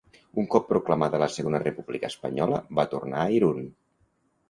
Un cop proclamada la Segona República Espanyola, va tornar a Irun.